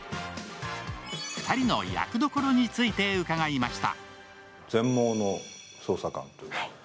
２人の役どころについて伺いました